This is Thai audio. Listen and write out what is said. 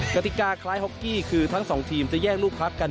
กติกาคล้ายฮอกกี้คือทั้งสองทีมจะแย่งลูกพักกัน